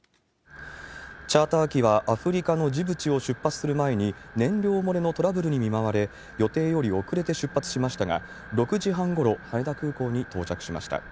チャーター機はアフリカのジブチを出発する前に燃料漏れのトラブルに見舞われ、予定より遅れて出発しましたが、６時半ごろ、羽田空港に到着しました。